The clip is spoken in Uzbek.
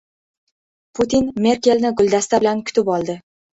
Putin Merkelni guldasta bilan kutib oldi